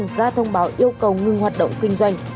ra thông báo yêu cầu ngưng hoạt động kinh doanh